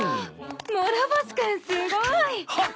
諸星君すごい！はっ！